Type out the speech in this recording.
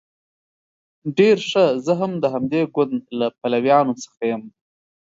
ډیر ښه زه هم د همدې ګوند له پلویانو څخه یم.